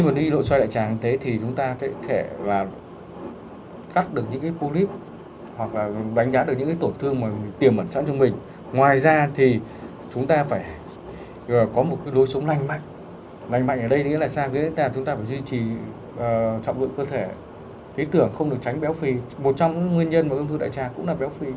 một trong nguyên nhân của công thức đại tràng cũng là béo phì